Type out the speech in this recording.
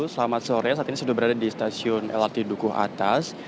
selamat sore saat ini sudah berada di stasiun lrt dukuh atas